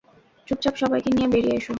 চুপচাপ সবাইকে নিয়ে বেরিয়ে এসো।